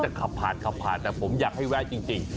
ขับผ่านขับผ่านแต่ผมอยากให้แวะจริง